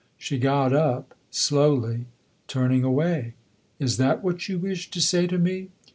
She got up slowly, turning away. "Is that what you wished to say to me?"